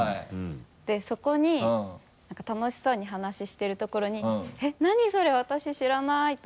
でそこに楽しそうに話してるところに「何？それ私知らない」とか。